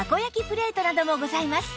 プレートなどもございます